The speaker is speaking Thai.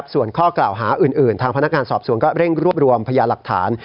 ส่วนข้อกล่าวหาอื่นทางพนักงานสอบสวนก็เร่งรวบรวมพยาหลักฐาน